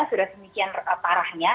sudah sedemikian parahnya